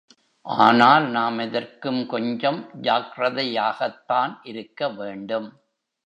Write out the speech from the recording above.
ஆனால் நாம் எதற்கும் கொஞ்சம் ஜாக்ரதை யாகத்தான் இருக்கவேண்டும்.